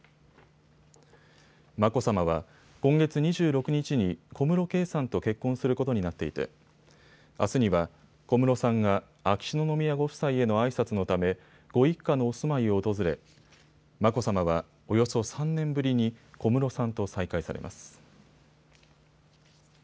眞子さまは今月２６日に小室圭さんと結婚することになっていてあすには小室さんが秋篠宮ご夫妻へのあいさつのためご一家のお住まいを訪れ、眞子さまはおよそ３年ぶりに小室さんと再会されます。